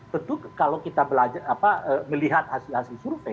tentu kalau kita melihat hasil hasil survei